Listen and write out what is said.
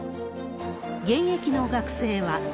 現役の学生は。